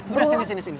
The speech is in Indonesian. udah sini sini sini